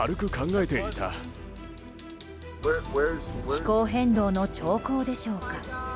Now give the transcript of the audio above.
気候変動の兆候でしょうか。